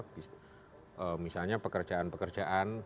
di misalnya pekerjaan pekerjaan